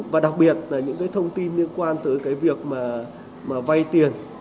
và đặc biệt là những cái thông tin liên quan tới cái việc mà vay tiền